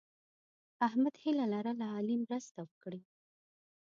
احمد هیله لرله علي مرسته وکړي.